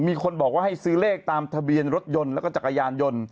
มีคนบอกว่าให้ซื้อเลขตามทะเบียนรถยนต์แล้วก็จักรยานยนต์